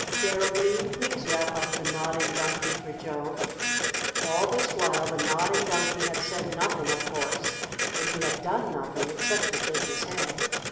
"Geraldine, please wrap up the Nodding Donkey for Joe." All this while the Nodding Donkey had said nothing, of course, and he had done nothing, except to shake his head.